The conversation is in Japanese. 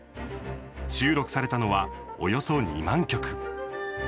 収録されたのは、およそ２万曲。